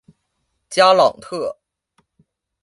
加朗特。